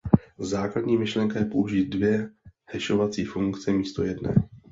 Základní myšlenka je použít dvě hašovací funkce místo jedné.